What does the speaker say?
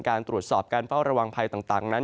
การตรวจสอบการเฝ้าระวังภัยต่างนั้น